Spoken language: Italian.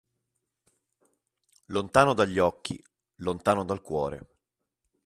Lontano dagli occhi lontano dal cuore.